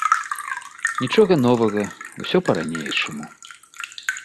Нічога новага, усё па-ранейшаму.